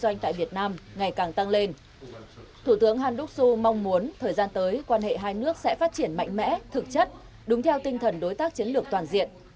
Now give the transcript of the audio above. kinh doanh tại việt nam ngày càng tăng lên thủ tướng han đắc xu mong muốn thời gian tới quan hệ hai nước sẽ phát triển mạnh mẽ thực chất đúng theo tinh thần đối tác chiến lược toàn diện